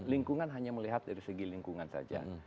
lingkungan hanya melihat dari segi lingkungan saja